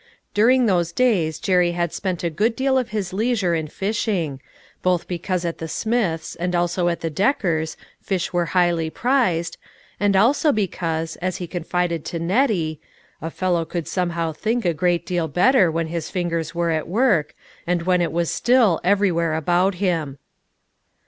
During those days Jerry had spent a good deal of his leisure in fishing; both be cause at the Smiths, and also at the Deckers, 365 366 LITTLE PISHEKS: AND THEIB NETS. fish were highly prized, and also because, as he confided to Nettie, " a fellow could somehow think a great deal better when his fingers were at work, and when it was still everywhere about him."